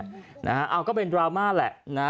เอาก็เป็นดราม่าแหละนะ